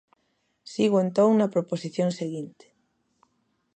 Sigo entón na proposición seguinte.